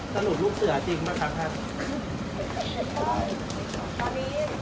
สนุกลูกเสือจริงมั้ยครับครับ